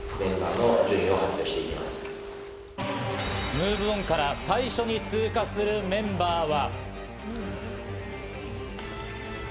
ＭｏｖｅＯｎから最初に通過するメンバーは。